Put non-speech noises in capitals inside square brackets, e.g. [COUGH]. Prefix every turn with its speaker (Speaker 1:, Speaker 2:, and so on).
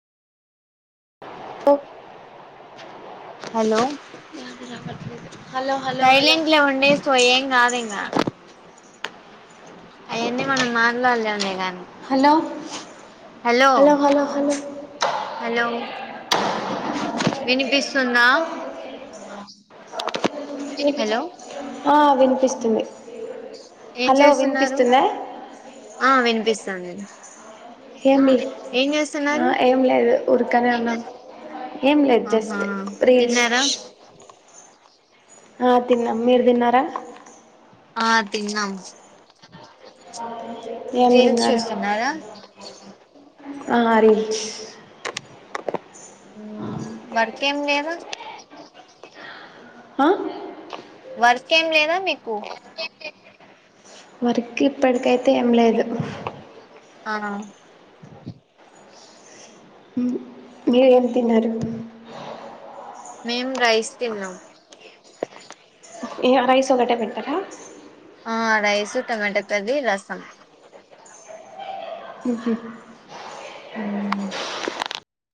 Speaker 1: [UNINTELLIGIBLE] ఏది రావట్లేదు hello hello hello
Speaker 2: తైలిండ్లో ఉండేస్పో ఏం కాదింగ అయన్ని మనం మాట్లాడలేంలే గనీ హలో
Speaker 1: హలో హలో
Speaker 2: హలో వినిపిస్త్ సున్నా హలో
Speaker 1: ఆ వినిపిస్తుంది
Speaker 2: ఏం
Speaker 1: హలో
Speaker 2: చేస్తున్నారు
Speaker 1: వినిపిస్తుందా
Speaker 2: ఆ వినిపిస్థాంది.
Speaker 1: ఇంకేం లేదు ఆ ఏం లేదు ఉర్కనే ఉన్నాను. ఏం లేదు
Speaker 2: ఆహా
Speaker 1: జస్ట్ రీల్స్
Speaker 2: తిన్నారా
Speaker 1: ఆహ్ తిన్నా మీరు తిన్నారా
Speaker 2: ఆ తిన్నాం
Speaker 1: అదే ఏం
Speaker 2: రీల్స్
Speaker 1: తిన్నారు
Speaker 2: చూస్తున్నారా
Speaker 1: అలా రీల్స్
Speaker 2: హ్మ్ వర్కేం లేదా
Speaker 1: ఆ
Speaker 2: వర్కేమ్ లేదా మీకు
Speaker 1: వర్క్ ఇప్పటికైతే ఏం లేదు
Speaker 2: ఆ
Speaker 1: మ్ మీరు ఏం తిన్నారు
Speaker 2: మేం రైస్ తిన్నాం
Speaker 1: యా రైస్ ఒకటే పెట్టారా
Speaker 2: ఆ రైస్ టమాటా కర్రీ రసం
Speaker 1: హ్మ్
Speaker 2: హ్మ్